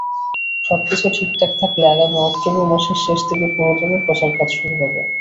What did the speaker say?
সবকিছু ঠিকঠাক থাকলে আগামী অক্টোবর মাসের শেষ দিকে পুরোদমে প্রচারকাজ শুরু হবে।